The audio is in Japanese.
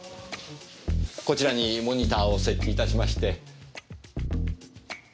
こちらにモニターを設置いたしまして。